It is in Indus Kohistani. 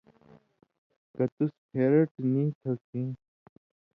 کہ تُس پھېرٹہۡ نی تھو کھیں